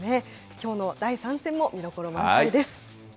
きょうの第３戦も見どころ満載です。